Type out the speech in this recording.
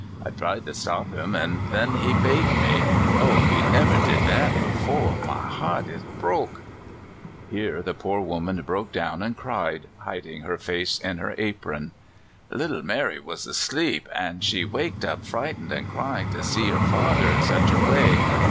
I tried to stop him, an' thin he bate me— O I he never did that before I My heart is broke !'' Here the poor woman broke down and cried, hiding her face in her apron. " Little Mary was asleep, an' she waked up frightened an' cryin' to see her father in such a way.